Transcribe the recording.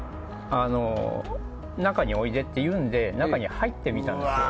中においでって言うんで中に入ってみたいんですよ。